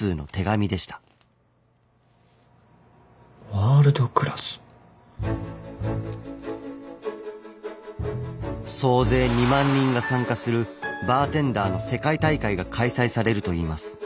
ワールドクラス。総勢２万人が参加するバーテンダーの世界大会が開催されるといいます。